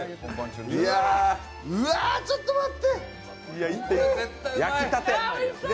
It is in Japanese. うわ、ちょっと待って。